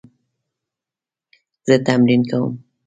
زه تمرین کوم